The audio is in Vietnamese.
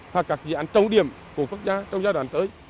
hoặc các dự án trống điểm của quốc gia